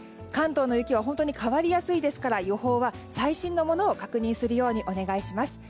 関東の雪は変わりやすいですから予報は最新のものを確認するようにお願いします。